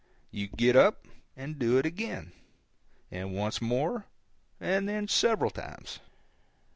You get up and do it again; and once more; and then several times.